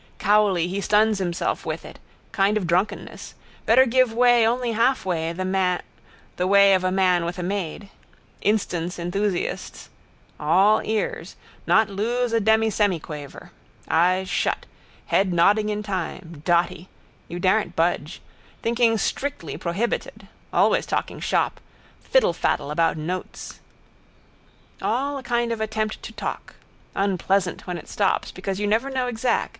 Cowley, he stuns himself with it: kind of drunkenness. Better give way only half way the way of a man with a maid. Instance enthusiasts. All ears. Not lose a demisemiquaver. Eyes shut. Head nodding in time. Dotty. You daren't budge. Thinking strictly prohibited. Always talking shop. Fiddlefaddle about notes. All a kind of attempt to talk. Unpleasant when it stops because you never know exac.